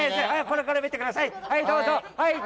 これ見てください